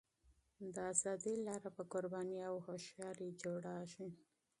د ازادۍ لاره په قربانۍ او هوښیارۍ جوړېږي.